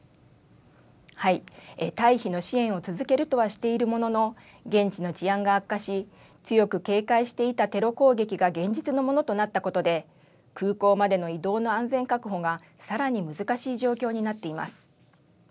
退避の支援を続けるとはしているものの、現地の治安が悪化し、強く警戒していたテロ攻撃が現実のものとなったことで、空港までの移動の安全確保がさらに難しい状況になっています。